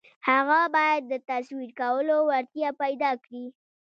هغه بايد د تصور کولو وړتيا پيدا کړي.